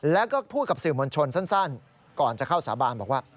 แล้วก็พูดกับสื่อมวลชนสั้นก่อนจะเข้าสาบานบอกว่า